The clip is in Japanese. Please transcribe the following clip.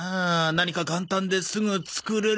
何か簡単ですぐ作れる。